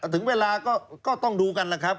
ถึงเวลาก็ต้องดูกันล่ะครับ